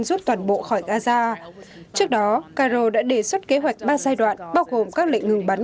rút toàn bộ khỏi gaza trước đó cairo đã đề xuất kế hoạch ba giai đoạn bao gồm các lệnh ngừng bắn